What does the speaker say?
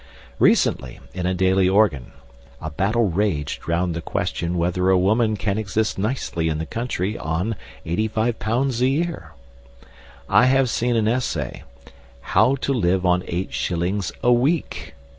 Recently, in a daily organ, a battle raged round the question whether a woman can exist nicely in the country on L85 a year. I have seen an essay, "How to live on eight shillings a week."